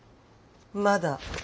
まだ。